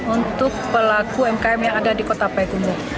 untuk pelaku umkm yang ada di kota payakumbu